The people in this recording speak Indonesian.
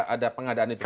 ada pengadaan itu